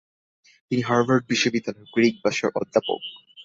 তিনি হার্ভার্ড বিশ্ববিদ্যালয়ের গ্রীকভাষার অধ্যাপক।